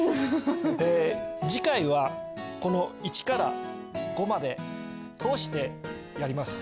次回はこの１から５まで通してやります。